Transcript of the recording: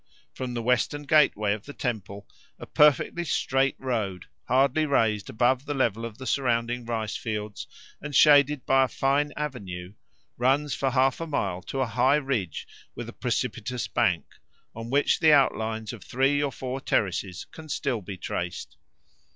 From the western gateway of the temple a perfectly straight road, hardly raised above the level of the surrounding rice fields and shaded by a fine avenue, runs for half a mile to a high ridge with a precipitous bank, on which the outlines of three or four terraces can still be traced.